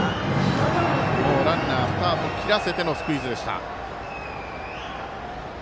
もうランナースタート切らせてのスクイズでした。